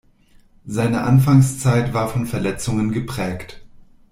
Seine Anfangszeit war von Verletzungen geprägt.